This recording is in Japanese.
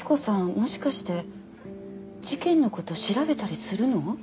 もしかして事件のこと調べたりするの？